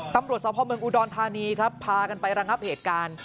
ตำรวจสภาพเมืองอุดรธานีครับพากันไประงับเหตุการณ์